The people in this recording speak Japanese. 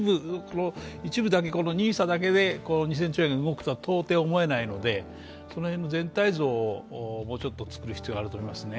一部だけ、ＮＩＳＡだけで２０００兆円が動くとは到底思えないのでその辺の全体像をもうちょっと作る必要があると思いますね。